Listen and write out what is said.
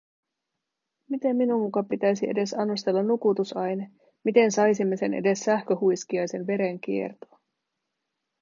Miten minun muka pitäisi edes annostella nukutusaine… Miten saisimme sen edes sähköhuiskiaisen verenkiertoon?